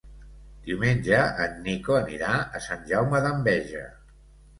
Diumenge en Nico anirà a Sant Jaume d'Enveja.